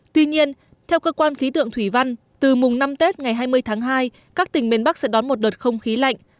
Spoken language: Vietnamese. tuy nhiên theo cơ quan khí tượng thủy văn từ mùng năm tết ngày hai mươi tháng hai các tỉnh miền bắc sẽ đón một đợt không khí lạnh